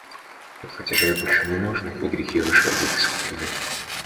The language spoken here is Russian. И платежей больше не нужно, и грехи ваши будут искуплены.